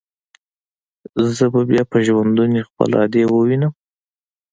زه به بيا په ژوندوني خپله ادې ووينم.